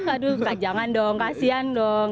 aduh jangan dong kasihan dong